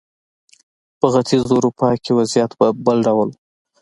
په ختیځه اروپا کې وضعیت بل ډول و.